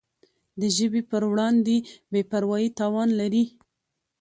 د ژبي پر وړاندي بي پروایي تاوان لري.